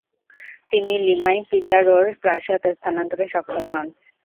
তিনি লিমায় পিজারো’র প্রাসাদ স্থানান্তরে সক্ষম হন।